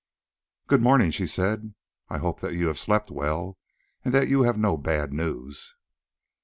"Good morning," she said, "I hope that you have slept well, and that you have no bad news."